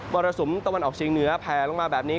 รสุมตะวันออกเชียงเหนือแผลลงมาแบบนี้